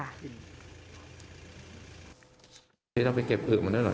แล้วเสร็จทุกอย่างเนี่ยมันก็เอาอีกเศษอะใส่ด้วยในโถด้วย